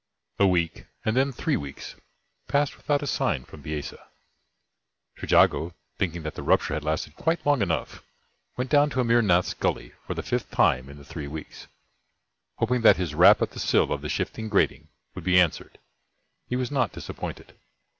A week, and then three weeks, passed without a sign from Bisesa. Trejago, thinking that the rupture had lasted quite long enough, went down to Amir Nath's Gully for the fifth time in the three weeks, hoping that his rap at the sill of the shifting grating would be answered. He was not disappointed.